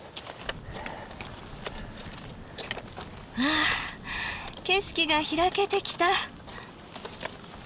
あ景色が開けてきた。